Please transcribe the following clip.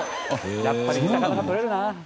やっぱり魚がとれるな。